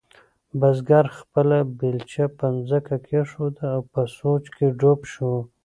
بزګر خپله بیلچه په ځمکه کېښوده او په سوچ کې ډوب شو.